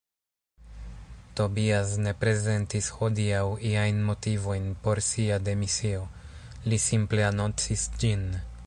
Tobiasz ne prezentis hodiaŭ iajn motivojn por sia demisio, li simple anoncis ĝin.